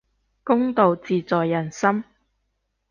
公道自在人心